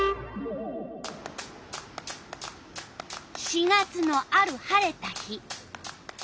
４月のある晴れた日。